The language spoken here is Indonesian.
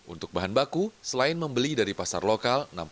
untuk bahan baku selain membeli dari pasar lokal